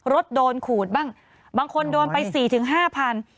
รถโดนขูดบ้างบางคนโดนไปสี่ถึงห้าพัน